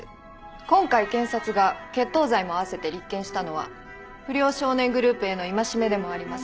今回検察が決闘罪も併せて立件したのは不良少年グループへの戒めでもあります。